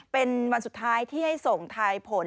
เป็นวันสุดท้ายที่ให้ส่งทายผล